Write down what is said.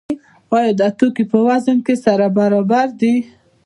آیا دا توکي په وزن کې سره برابر دي؟